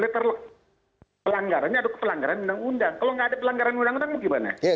pelanggarannya ada kepelanggaran undang undang kalau tidak ada pelanggaran undang undang gimana